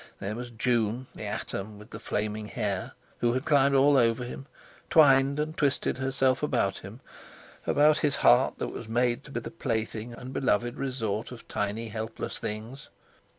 There was June, the atom with flaming hair, who had climbed all over him, twined and twisted herself about him—about his heart that was made to be the plaything and beloved resort of tiny, helpless things.